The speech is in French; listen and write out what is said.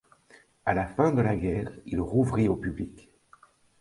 A la fin de la guerre il rouvrit au public.